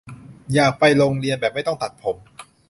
อยากไปโรงเรียนแบบไม่ต้องตัดผม